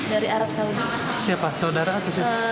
dari arab saudi siapa saudara apa